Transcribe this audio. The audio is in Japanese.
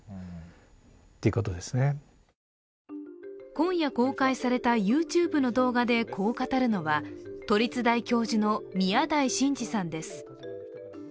今夜、公開されたＹｏｕＴｕｂｅの動画でこう語るのは都立大教授の宮台真司さんです。